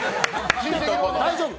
大丈夫！